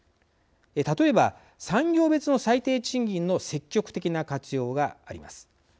例えば産業別の最低賃金の積極的な活用があります。